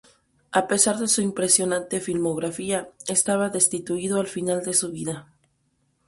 A pesar de su impresionante filmografía, estaba destituido al final de su vida.